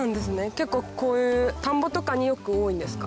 結構こういう田んぼとかに多いんですか？